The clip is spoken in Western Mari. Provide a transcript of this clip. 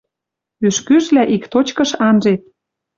Ӱшкӱжлӓ ик точкыш анжет